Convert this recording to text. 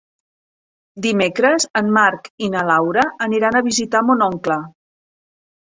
Dimecres en Marc i na Laura aniran a visitar mon oncle.